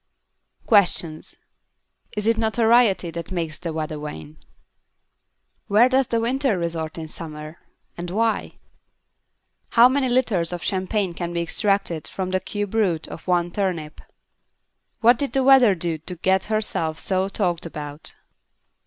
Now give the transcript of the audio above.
QUESTIONS Is it notoriety that makes the Weather Vane? Where does the Winter Resort in Summer? And why? How many litres of champagne can be extracted from the cube root of one turnip? _What did the Weather do to get herself so talked about?